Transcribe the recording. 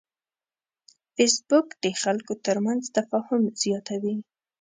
فېسبوک د خلکو ترمنځ تفاهم زیاتوي